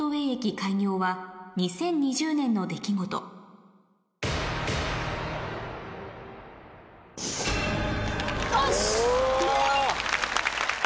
開業は２０２０年の出来事おぉ！